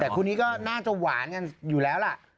แต่คู่นี้ก็น่าจะหวานกันอยู่แล้วล่ะ